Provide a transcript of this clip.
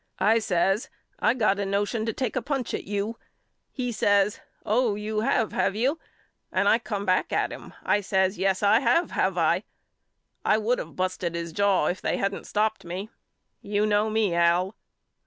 I says I got a notion to take a punch at you. He says Oh you have have you? And I come back at him. I says Yes I have have I? I would of busted his jaw if they hadn't stopped me. You know me Al.